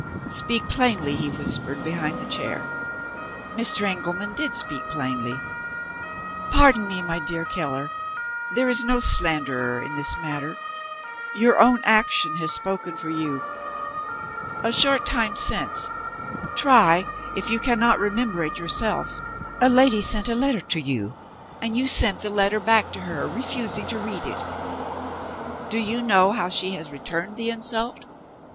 'Speak plainly,' he whispered, behind the chair. Mr. Engelman did speak plainly. 'Pardon me, my dear Keller, there is no slanderer in this matter. Your own action has spoken for you. A short time since try if you cannot remember it yourself a lady sent a letter to you; and you sent the letter back to her, refusing to read it. Do you know how she has returned the insult?